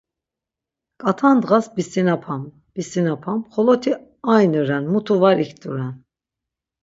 Ǩat̆a ndğas bisinapam, bisinapam; xoloti ayni ren mutu var ikturen.